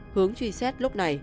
hướng truy xét lúc này